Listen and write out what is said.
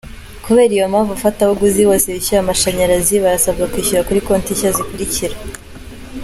Kubera iyo mpamvu, abafatabuguzi bose bishyura amashanyarazi barasabwa kwishyurira kuri konti nshya zikurikira :.